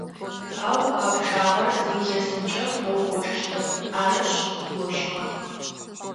Ау а пчъагъэр зы илъэсымкӏэ пфэукӏочӏыщтэп, арышъ, дгощыгъэ.